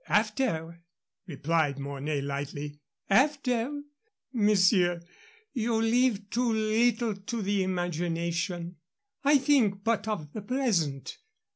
"After?" replied Mornay, lightly. "After? Monsieur, you leave too little to the imagination. I think but of the present.